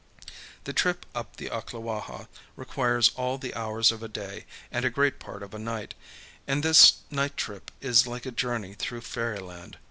The trip up the Ocklawaha requires all the hours of a day and a great part of a night; and this night trip is like a journey through fairyland.